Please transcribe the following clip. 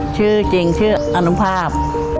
ชื่อจริงชื่ออนุภาพ